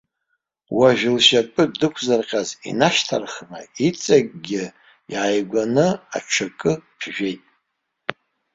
Уажәы лшьапы дықәызҟьаз инашьҭарххны иҵегьгьы иааигәаны аҽакы ԥжәеит.